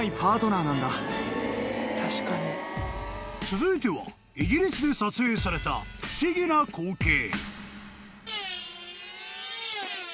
［続いてはイギリスで撮影された不思議な光景］